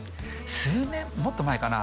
数年もっと前かな？